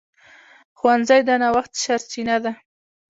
ښوونځی د نوښت سرچینه ده